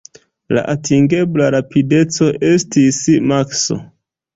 La atingebla rapideco estis maks.